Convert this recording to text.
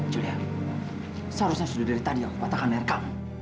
julia seharusnya sudah dari tadi aku patahkan air kamu